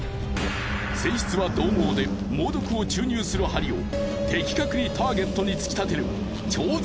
性質はどう猛で猛毒を注入する針を的確にターゲットに突き立てる超絶